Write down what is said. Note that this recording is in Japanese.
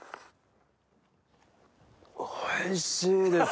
おいしいです！